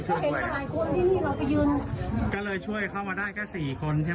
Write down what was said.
เขาเห็นกันหลายคนที่นี่เราไปยืนก็เลยช่วยเข้ามาได้แค่สี่คนใช่ไหม